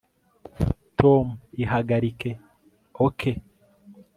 tom, ihagarike, ok